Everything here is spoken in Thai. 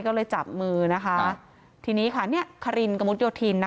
ก็เลยจับมือนะคะทีนี้ค่ะเนี่ยคารินกระมุดโยธินนะคะ